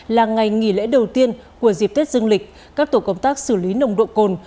là ngày nghỉ lễ đầu tiên của dịp tết dương lịch các tổ công tác xử lý nồng độ cồn